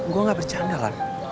gue gak bercanda kan